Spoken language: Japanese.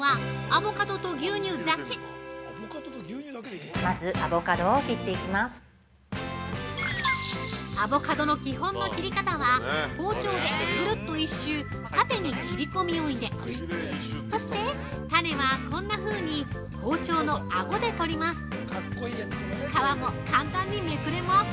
◆アボカドの基本の切り方は縦に持って包丁を入れぐるっと１周切り込みを入れ、そして、種は、こんな風に包丁のアゴで取ります。